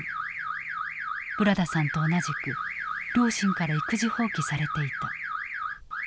ブラダさんと同じく両親から育児放棄されていた。